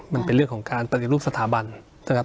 มันเป็นเรื่องของการปฏิรูปสถาบันนะครับ